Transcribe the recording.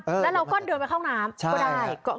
อื้อเราก้อนเดินมาเข้าน้ำก็ได้